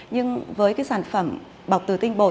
nhưng với cái sản phẩm bọc từ tinh bột